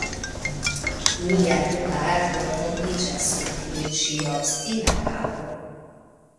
mia tuta arto rompiĝas sur tiu ĉi obstina kapo!